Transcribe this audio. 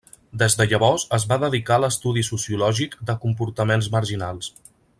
Des de llavors es va dedicar a l'estudi sociològic de comportaments marginals.